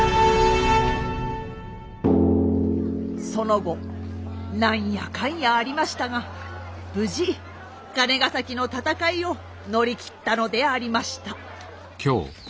その後何やかんやありましたが無事金ヶ崎の戦いを乗り切ったのでありました。